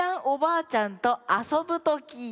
おばあちゃんとあそぶとき」。